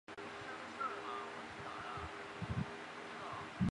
因公平竞技奖而获得参赛资格。